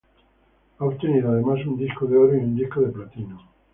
Ha obtenido además un Disco de Oro y un Disco de Platino.